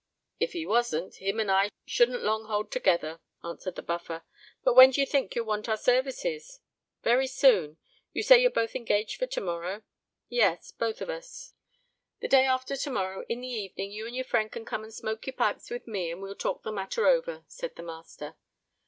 "If he wasn't, him and I shouldn't long hold together," answered the Buffer. "But when do you think you'll want our services?" "Very soon. You say you're both engaged for to morrow?" "Yes—both of us." "The day after to morrow, in the evening, you and your friend can come and smoke your pipes with me; and we'll talk the matter over," said the master.